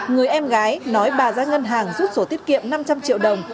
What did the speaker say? người em gái nói bà ra ngân hàng rút sổ tiết kiệm năm trăm linh triệu đồng